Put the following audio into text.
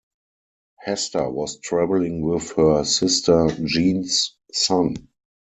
Hester was traveling with her sister Jean's son.